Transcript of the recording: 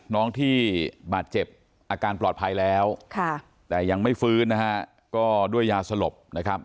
น้องที่บาดเจ็บอาการปลอดภัยแล้วแต่ยังไม่ฟื้นนะฮะก็ด้วยยาสลบนะครับ